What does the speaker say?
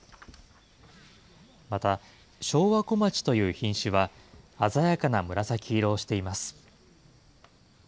また昭和小町という品種は、鮮やかな紫色をしています。